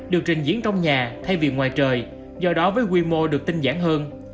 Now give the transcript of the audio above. được trình diễn trong nhà thay vì ngoài trời do đó với quy mô được tinh giản hơn